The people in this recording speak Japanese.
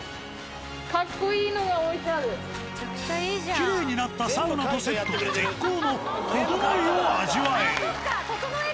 きれいになったサウナとセットで絶好のととのいを味わえる。